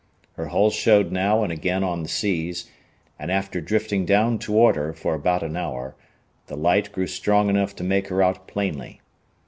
Her hull showed now and again on the seas, and after drifting down toward her for about an hour, the light grew strong enough to make her out plainly.